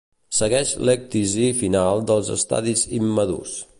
Segueix l'ècdisi final dels estadis immadurs.